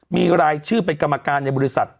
มีรายชื่อเป็นกรรมการในบริษัท